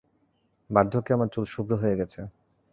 বার্ধক্যে আমার চুল শুভ্র হয়ে গেছে।